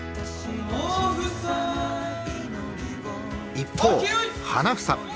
一方花房。